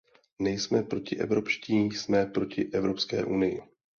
Nejsme protievropští, jsme proti Evropské unii.